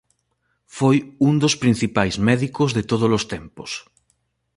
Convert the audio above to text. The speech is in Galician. Foi un dos principais médicos de todos os tempos.